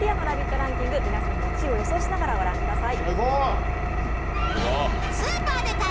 ランキング、皆さんも１位を予想しながら御覧ください。